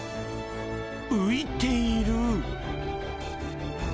浮いている！